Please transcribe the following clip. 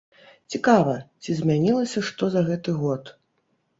Цікава, ці змянілася што за гэты год?